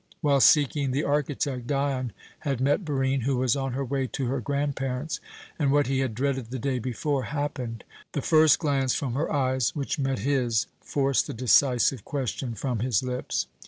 While seeking the architect, Dion had met Barine, who was on her way to her grandparents, and what he had dreaded the day before happened. The first glance from her eyes which met his forced the decisive question from his lips.